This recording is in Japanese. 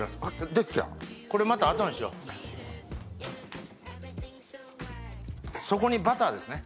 これまたあとにしようそこにバターですね